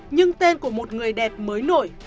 nhưng tên của một người đẹp mới nổi